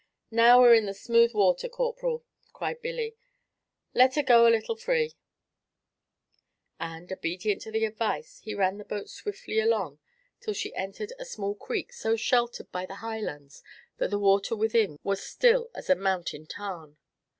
"Now we're in the smooth water, Corporal," cried Billy; "let her go a little free." And, obedient to the advice, he ran the boat swiftly along till she entered a small creek, so sheltered by the highlands that the water within was still as a mountain tarn.